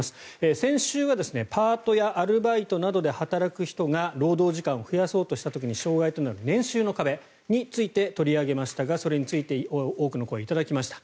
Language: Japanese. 先週はパートやアルバイトなどで働く人が労働時間を増やそうとした時に障害となる年収の壁について取り上げましたがそれについて多くの声を頂きました。